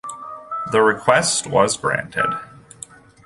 The request was granted.